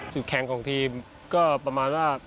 แข่งของทีมก็ประมาณว่า